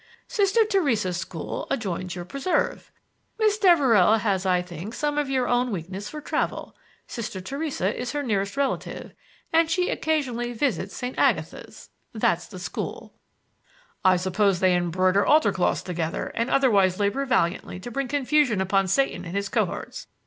"Sister Theresa's school adjoins your preserve; Miss Devereux has I think some of your own weakness for travel. Sister Theresa is her nearest relative, and she occasionally visits St. Agatha's—that's the school." "I suppose they embroider altar cloths together and otherwise labor valiantly to bring confusion upon Satan and his cohorts.